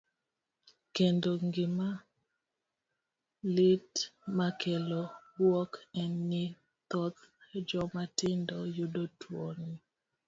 Kendo gima lit makelo buok en ni thoth joma tindo yudo tuoni.